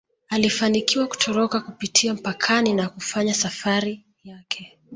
Alifanikiwa kutoroka kupitia mpakani na kufanya safari yake